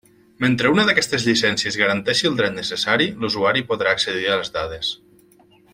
Mentre una d'aquestes llicències garanteixi el dret necessari, l'usuari podrà accedir a les dades.